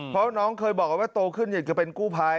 เพราะน้องเคยบอกว่าโตขึ้นอยากจะเป็นกู้ภัย